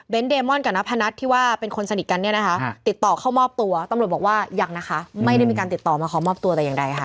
เดมอนกับนพนัทที่ว่าเป็นคนสนิทกันเนี่ยนะคะติดต่อเข้ามอบตัวตำรวจบอกว่ายังนะคะไม่ได้มีการติดต่อมาขอมอบตัวแต่อย่างใดค่ะ